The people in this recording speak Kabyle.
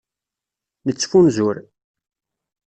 Nettfunzur.